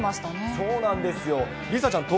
そうなんですよ。